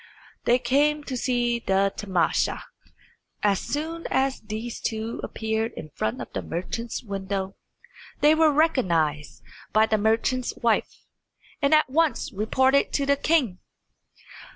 They came to see the tamasha. As soon as these two appeared in front of the merchant's window they were recognised by the merchant's wife, and at once reported to the king.